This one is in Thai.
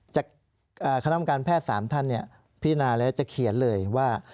คณะกรรมการแพทย์๓ท่านพิจารณาแล้วจะเขียนเลยว่า